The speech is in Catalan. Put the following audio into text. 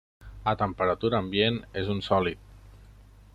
A temperatura ambient és un sòlid.